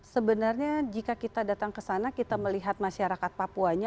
sebenarnya jika kita datang ke sana kita melihat masyarakat papuanya